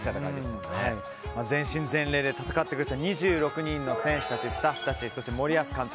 全身全霊で戦ってくれた２６人の選手たちスタッフたち、そして森保監督